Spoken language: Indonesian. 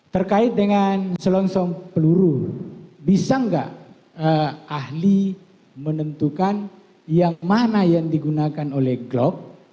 terkait dengan selongsong peluru bisa nggak ahli menentukan yang mana yang digunakan oleh glock